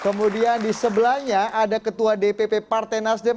kemudian di sebelahnya ada ketua dpp partai nasdem